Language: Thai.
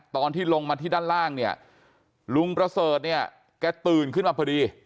ตอนที่ลงมาที่ด้านล่างเนี่ยลุงประเสริฐเนี่ยแกตื่นขึ้นมาพอดี